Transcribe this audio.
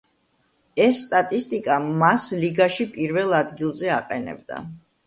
ეს სტატისტიკა მას ლიგაში პირველ ადგილზე აყენებდა.